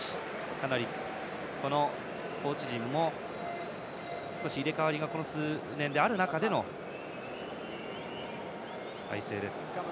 かなりコーチ陣も少し入れ替わりがここ数年である中での体制です。